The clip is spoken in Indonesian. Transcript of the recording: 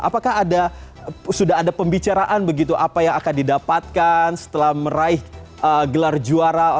apakah sudah ada pembicaraan begitu apa yang akan didapatkan setelah meraih gelar juara